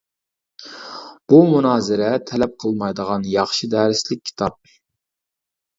بۇ مۇنازىرە تەلەپ قىلمايدىغان ياخشى دەرسلىك كىتاب.